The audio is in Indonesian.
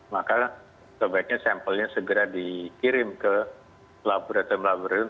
maka sebaiknya sampelnya segera dikirim ke laboratorium laboratorium